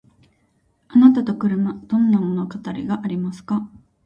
あなたと車どんな物語がありますか？